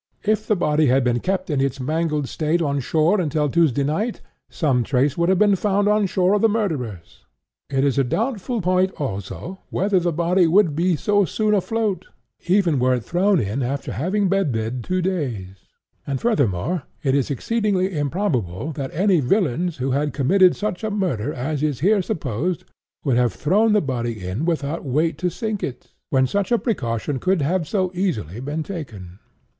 If the body had been kept in its mangled state on shore until Tuesday night, some trace would be found on shore of the murderers. It is a doubtful point, also, whether the body would be so soon afloat, even were it thrown in after having been dead two days. And, furthermore, it is exceedingly improbable that any villains who had committed such a murder as is here supposed, would have thrown the body in without weight to sink it, when such a precaution could have so easily been taken."